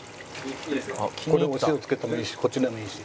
これお塩つけてもいいしこっちでもいいし。